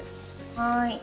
はい。